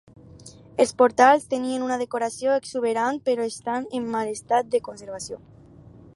Els portals tenien una decoració exuberant, però estan en mal estat de conservació.